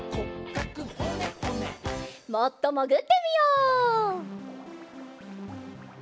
もっともぐってみよう。